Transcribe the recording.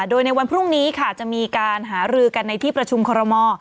โดยในวันพรุ่งนี้ค่ะจะมีการหารือกันในที่ประชุมคอรมอล